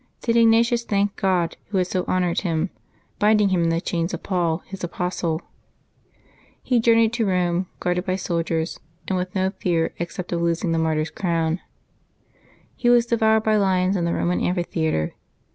St. Ignatius thanked God, Who had so honored him, " binding him in the chains of Paul, His apostle.'' He journeyed to Eome, guarded by soldiers, and with no fear except of losing the mart}T's crown. He was de voured by lions in the Roman amphitheatre.